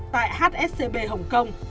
tại hsbc hồng kông